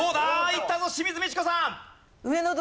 いったぞ清水ミチコさん！